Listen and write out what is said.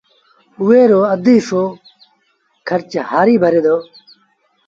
اُئي رو اڌ هسو کرچ هآريٚ ڀري دو